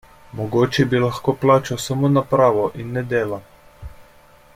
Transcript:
Mogoče bi lahko plačal samo napravo in ne dela?